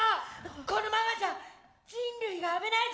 このままじゃ人類が危ないぞ。